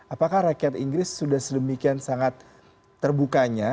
apakah rakyat inggris sudah sedemikian sangat terbukanya